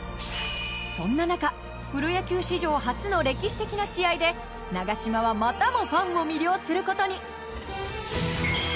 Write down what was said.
そんな中プロ野球史上初の歴史的な試合で長嶋はまたもファンを魅了する事に！